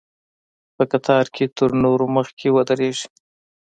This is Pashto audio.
په قطار کې تر نورو مخکې ودرېږي.